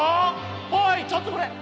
おいちょっとこれ！